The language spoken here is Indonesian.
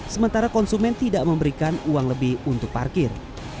sementara konsumen tidak memberikan uang lebih untuk parkir